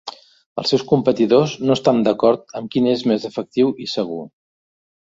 Els seus competidors no estan d'acord amb quin és més efectiu i segur.